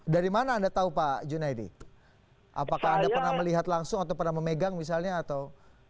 dari mana anda tahu pak junaidi apakah anda pernah melihat langsung atau pernah memegang misalnya atau